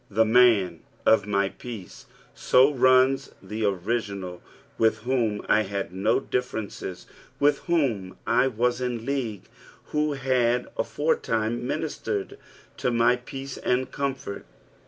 " The man of my peace," so runs the original, with whom I had no differences, with whom I was in league, who had aforetime ministered to my peace and comfort.